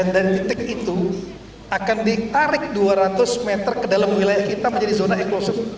dari titik itu akan ditarik dua ratus meter ke dalam wilayah kita menjadi zona ekosis